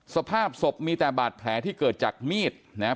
สภาพศพมีแต่บาดแผลที่เกิดจากมีดนะครับ